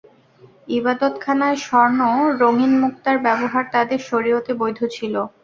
ইবাদতখানায় স্বর্ণ, রঙিন মুক্তার ব্যবহার তাদের শরীয়তে বৈধ ছিল।